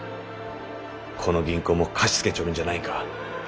この銀行も貸し付けちょるんじゃないんか。